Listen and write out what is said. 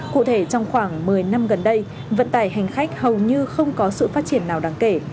cụ thể trong khoảng một mươi năm gần đây vận tải hành khách hầu như không có sự phát triển nào đáng kể